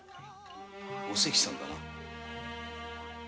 おせきさんだね。